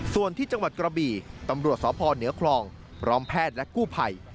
ส่วนที่จังหวัดกระบี่ตำรวจสพเหนือคลองพร้อมแพทย์และกู้ภัย